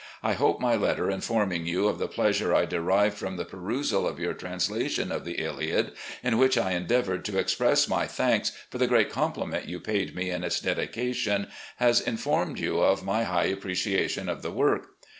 I hope my letter informing you of the pleasure I derived from the perusal of your translation of the Iliad, in which I endeavoured to express my thanks for the great compliment you paid me in its dedication, has informed you of my high appreciation of the work.